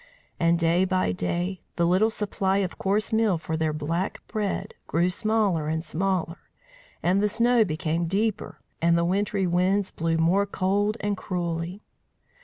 And, day by day, the little supply of coarse meal for their black bread grew smaller and smaller, and the snow became deeper, and the wintry winds blew more cold and cruelly.